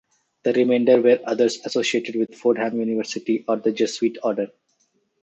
The remainder were others associated with Fordham University or the Jesuit order.